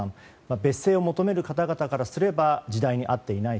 別姓を求める方々からすれば時代に合っていない。